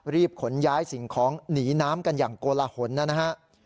รีบขนย้ายสิ่งของหนีน้ำกันอย่างโกลหนนะฮะ